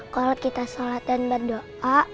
kalau kita sholat dan berdoa